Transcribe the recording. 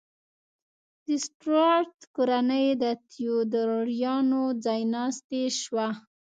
د سټورات کورنۍ د تیودوریانو ځایناستې شوه.